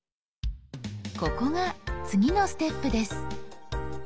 ここが次のステップです。